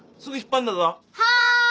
はい。